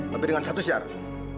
tapi dengan satu syarat